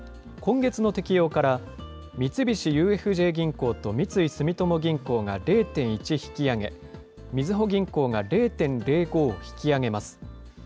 今月の適用から、三菱ＵＦＪ銀行と三井住友銀行が０．１引き上げ、みずほ銀行が０．０５引き上げます。